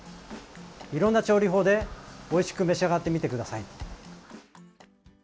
いろんな調理法でおいしく召し上がってみてください。